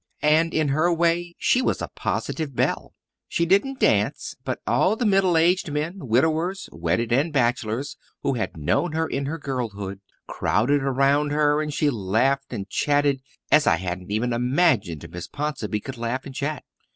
And in her way, she was a positive belle. She didn't dance, but all the middle aged men, widowers, wedded, and bachelors, who had known her in her girlhood crowded around her, and she laughed and chatted as I hadn't even imagined Miss Ponsonby could laugh and chat.